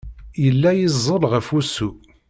Yella yeẓẓel ɣef wusu.